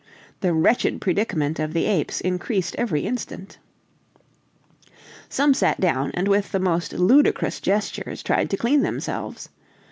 The wretched predicament of the apes increased every instant. Some sat down, and with the most ludicrous gestures, tried to clean themselves.